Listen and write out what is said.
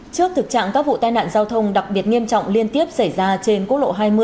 trước thực trạng các vụ tai nạn giao thông đặc biệt nghiêm trọng liên tiếp xảy ra trên quốc lộ hai mươi